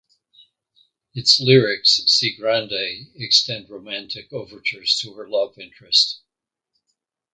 Its lyrics see Grande extend romantic overtures to her love interest.